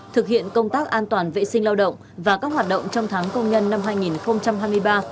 thực hiện công tác an toàn vệ sinh lao động và các hoạt động trong tháng công nhân năm hai nghìn hai mươi ba